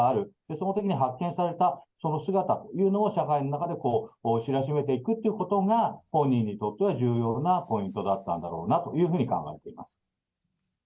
そのときに発見された、その姿っていうのを社会の中で知らしめていくということが本人にとっては重要なポイントだったんだろうなというふうに考えています。